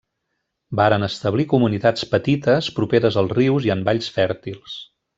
Varen establir comunitats petites properes als rius i en valls fèrtils.